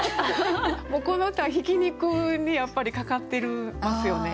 もうこの歌は挽き肉にやっぱりかかってるんですよね。